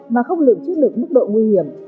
mà không lượng chức lượng mức độ nguy hiểm